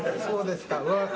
そうですか。